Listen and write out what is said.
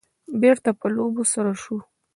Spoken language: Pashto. بېرته په لوبو سر شو.